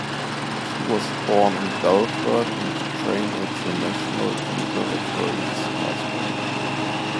She was born in Belfort and trained at the National Conservatory in Strasbourg.